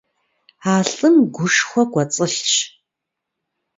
А лӀым гушхуэ кӀуэцӀылъщ.